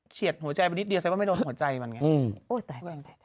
หัวใจไปนิดเดียวแสดงว่าไม่โดนหัวใจมันไง